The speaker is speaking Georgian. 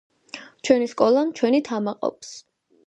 ჩვენი სკოლა ჩვენით ამაყობს!